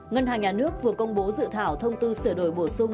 ngân hàng nhà nước vừa công bố dự thảo thông tư sửa đổi bổ sung